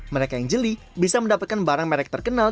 mereka yang jeli bisa mendapatkan barang merek terkenal